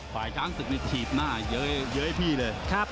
ฝ่ายช้างศึกเนี่ยถีบหน้าเยอะไอ้พี่เลย